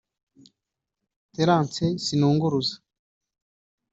Thérence Sinunguruza